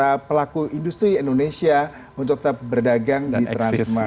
para pelaku industri indonesia untuk tetap berdagang di transmart